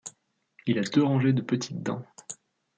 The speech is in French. Il a deux rangées de petites dents.